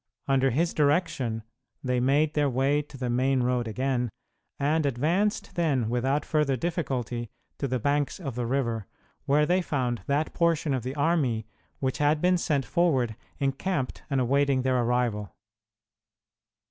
Under his direction they made their way to the main road again, and advanced then without further difficulty to the banks of the river, where they found that portion of the army which had been sent forward encamped and awaiting their arrival.